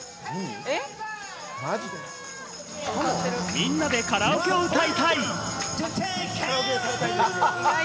みんなでカラオケを歌いたい。